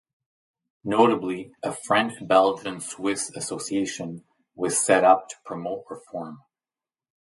Notably, a French-Belgian-Swiss association was set up to promote reform.